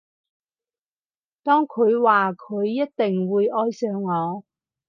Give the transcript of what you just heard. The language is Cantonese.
當佢話佢一定會愛上我